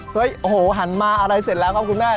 โอ้โหหันมาอะไรเสร็จแล้วครับคุณแม่